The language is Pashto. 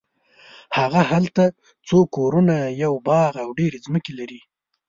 هغه هلته څو کورونه یو باغ او ډېرې ځمکې لري.